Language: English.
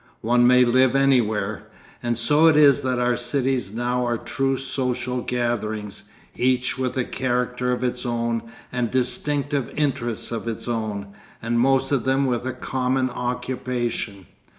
One may live anywhere. And so it is that our cities now are true social gatherings, each with a character of its own and distinctive interests of its own, and most of them with a common occupation.